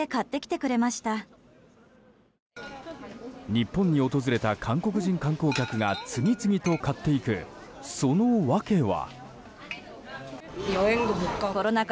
日本に訪れた韓国人観光客が次々と買っていく、その訳は？